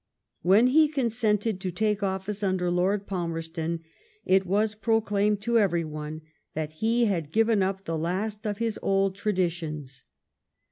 When he consented to take office under Lord Palmerston, it was proclaimed to every one that he had given up the last of his old traditions.